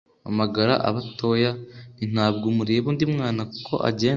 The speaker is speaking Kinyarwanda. mpamagara abatoya. nti ntabwo mureba undi mwana uko agenza